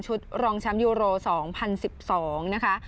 รองแชมป์ยูโร๒๐๑๒นะคะ